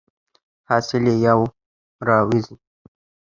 حاصل یې یو را وزي.